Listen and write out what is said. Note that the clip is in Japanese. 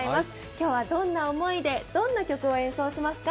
今日はどんな思い出、どんな曲を演奏しますか？